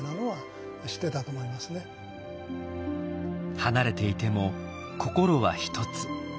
離れていても心は一つ。